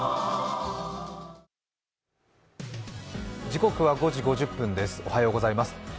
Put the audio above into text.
時刻は５時５０分です、おはようございます。